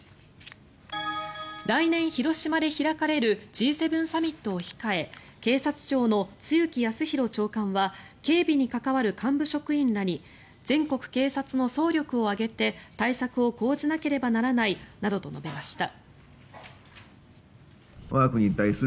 来年広島で開かれるＧ７サミットを控え警察庁の露木康浩長官は警備に関わる幹部職員らに全国警察の総力を挙げて対策を講じなければならないなどと述べました。